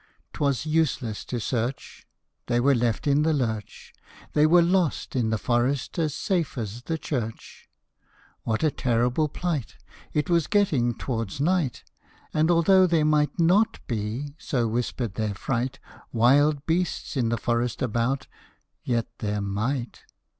'T was useless to search ; They were left in the lurch, They were lost in the forest as safe as the church. What a terrible plight ! It was getting t'wards night, And although there might not be (so whispered their fright) Wild beasts in the forest about, yet there might